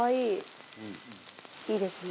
いいですね。